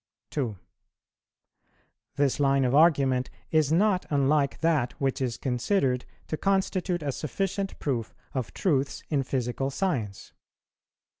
2. This line of argument is not unlike that which is considered to constitute a sufficient proof of truths in physical science.